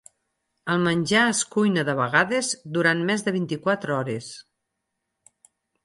El menjar es cuina de vegades durant més de vint-i-quatre hores.